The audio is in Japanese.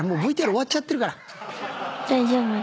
ＶＴＲ終わっちゃってるから。